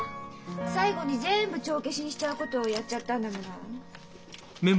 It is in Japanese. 最後に全部帳消しにしちゃうことをやっちゃったんだもの。